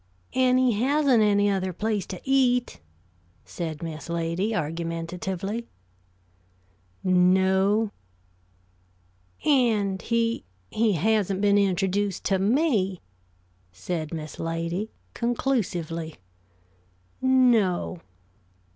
"And he hasn't any other place to eat," said Miss Lady, argumentatively. "No." "And he he hasn't been introduced to me," said Miss Lady, conclusively. "No."